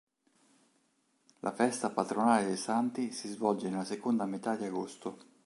La festa patronale dei Santi si svolge nella seconda metà di agosto.